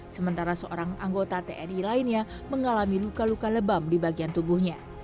sementara seorang anggota tni lainnya mengalami luka luka lebam di bagian tubuhnya